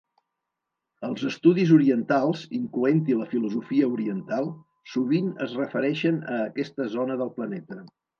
Els estudis orientals, incloent-hi la filosofia oriental, sovint es refereixen a aquesta zona del planeta.